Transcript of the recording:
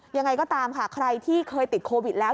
ยังไงก็ตามค่ะใครที่เคยติดโควิดแล้ว